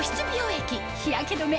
液日焼け止め